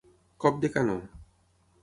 Cop de canó.